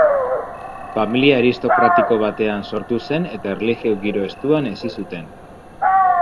Familia aristokratiko batean sortu zen, eta erlijio-giro estuan hezi zuten.